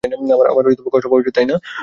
আমার কষ্ট পাওয়া উচিত না, তাই না?